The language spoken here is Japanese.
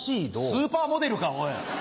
スーパーモデルかおい。